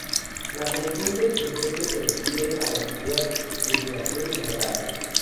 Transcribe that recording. La conciencia insurgente se refiere a las ideas de privación y agravios.